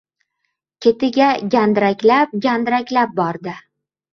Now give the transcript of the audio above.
Ketiga gandiraklab-gandiraklab bordi.